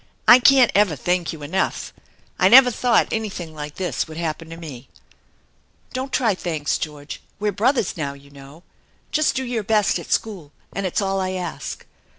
I can't ever thank you enough ! I never thought anything like this would happen to me !" "Don't try thanks, George. We're brothers now, you know. Just you do your best at school, and it's all I ask.